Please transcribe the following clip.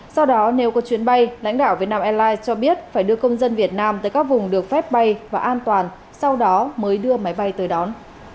sau đó nếu có chuyến bay lãnh đạo việt nam airlines cho biết phải đưa công dân việt nam tới các vùng được phép bay và an toàn sau đó mới đưa máy bay tới đón